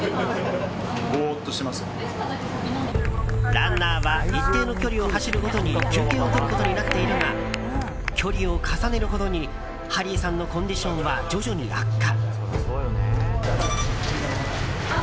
ランナーは一定の距離を走るごとに休憩をとることになっているが距離を重ねるほどにハリーさんのコンディションは徐々に悪化。